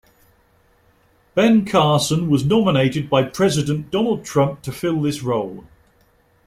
Ben Carson was nominated by President Donald Trump to fill this role.